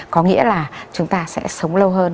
có nghĩa là chúng ta sẽ sống lâu hơn